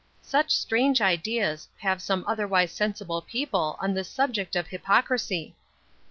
Such strange ideas have some otherwise sensible people on this subject of hypocrisy!